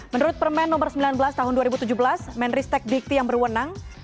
menurut permen nomor sembilan belas tahun dua ribu tujuh belas menristek dikti yang berwenang